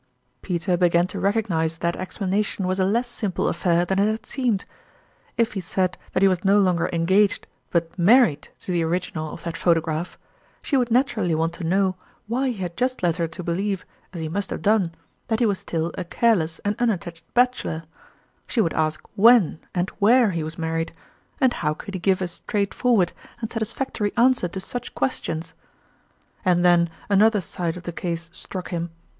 " Peter began to recognize that explanation was a less simple affair than it had seemed. If he said that he was no longer engaged but married to the original of that photograph, she would naturally want to know why he had just led her to believe, as he must have done, that he was still a careless and unattached bachelor ; she would ask when and where he was married ; and how could he give a straight forward and satisfactory answer to such ques tions ? 88 0urmalin's And then another side of the case struck him.